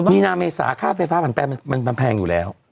มีนาเมษาค่าไฟฟ้าผ่านแปลงมันแพงอยู่แล้ว